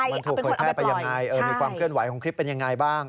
มันถูกเผยแพร่ไปยังไงมีความเคลื่อนไหวของคลิปเป็นยังไงบ้าง